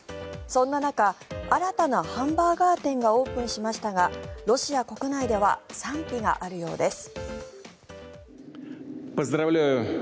そんな中新たなハンバーガー店がオープンしましたがロシア国内では賛否があるようです。